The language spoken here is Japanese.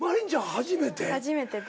初めてです。